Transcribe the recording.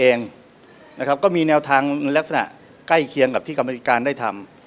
นะครับก็มีแนวทางลักษณะใกล้เคียงกับที่กรรมธิการได้ทำ